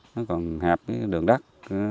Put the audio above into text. nó còn hẹp đường đắt